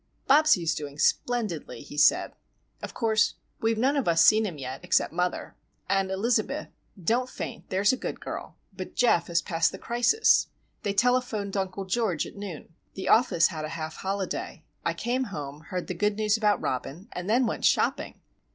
"Bobsie is doing splendidly," he said. "Of course, we have none of us seen him yet, except mother. And, Elizabeth,—don't faint, there's a good girl,—but Geof has passed the crisis! They telephoned Uncle George at noon. The office had a half holiday. I came home, heard the good news about Robin, and then went shopping!"